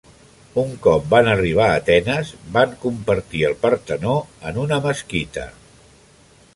Un cop van arribar a Atenes, van convertir el Partenó en una mesquita.